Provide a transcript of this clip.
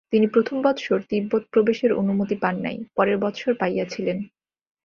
তিনি প্রথম বৎসর তিব্বত প্রবেশের অনুমতি পান নাই, পরের বৎসর পাইয়াছিলেন।